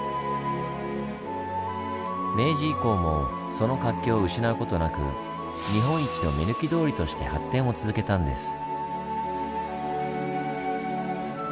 明治以降もその活気を失うことなく日本一の目抜き通りとして発展を続けたんです。